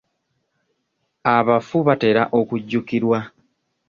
Abafu batera okujjukirwa.